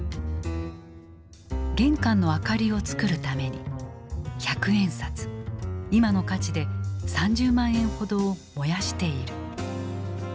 玄関の明かりをつくるために百円札今の価値で３０万円ほどを燃やしている。